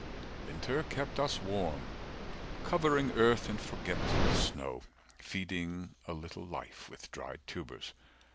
Winter kept us warm, covering 5 Earth in forgetful snow, feeding A little life with dried tubers.